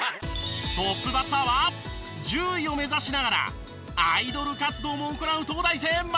トップバッターは獣医を目指しながらアイドル活動も行う東大生真城さん。